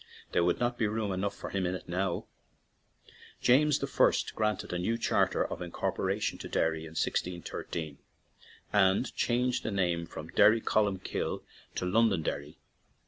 (There would not be room enough for him in it now.) James I. granted a new charter of in corporation to Derry in 16 1 3, and changed the name from Derrycolumcilie to London derry.